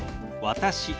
「私」。